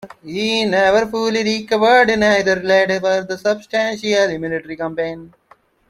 He never fully recovered, neither led further substantial military campaigns.